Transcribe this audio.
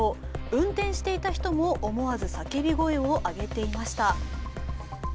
運転していた人も思わず叫び声を上げていました。